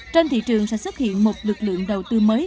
trên thị trường sẽ xuất hiện một lực lượng đầu tư mới